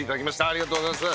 ありがとうございます。